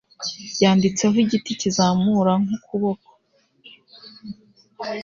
Yanditseho igiti kizamura nk'ukuboko